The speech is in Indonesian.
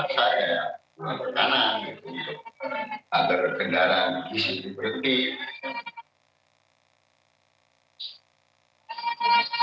saya mengembangkan jenderaan bus itu berhenti